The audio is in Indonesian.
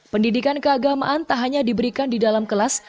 pendidikan keagamaan tak hanya diberikan di dalam kelas